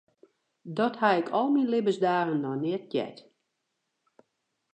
Dat ha ik al myn libbensdagen noch net heard.